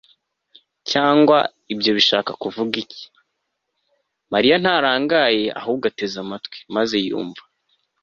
cyangwa ibyo bishaka kuvuga iki ? ».mariya ntarangaye ahubwo ateze amatwi, maze yumva